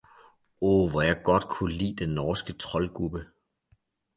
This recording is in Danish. Oh hvor jeg godt kunne lide den norske troldgubbe!